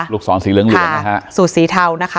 ศรสีเหลืองเหลืองนะฮะสูตรสีเทานะคะ